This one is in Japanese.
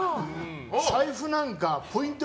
財布なんかポイント